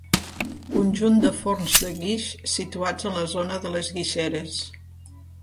Conjunt de forns de guix situats en la zona de les Guixeres.